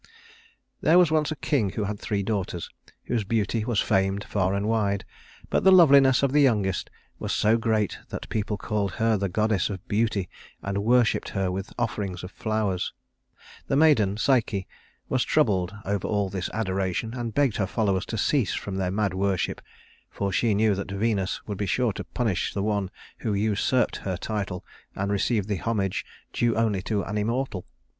There was once a king who had three daughters whose beauty was famed far and wide; but the loveliness of the youngest was so great that people called her the goddess of Beauty and worshiped her with offerings of flowers. The maiden, Psyche, was troubled over all this adoration, and begged her followers to cease from their mad worship; for she knew that Venus would be sure to punish the one who usurped her title and received the homage due only to an immortal.